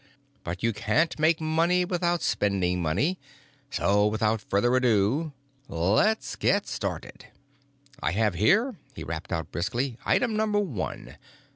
But you can't make money without spending money, so without any further ado, let's get started. I have here," he rapped out briskly, "Item Number One.